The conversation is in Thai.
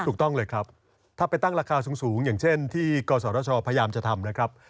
ถูกต้องเลยครับถ้าไปตั้งราคาสูงอย่างเช่นที่กศชพยายามจะทำนะครับ